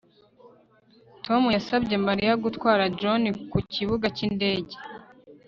Tom yasabye Mariya gutwara John ku kibuga cyindege